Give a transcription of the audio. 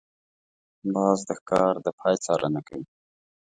باز د ښکار د پای څارنه کوي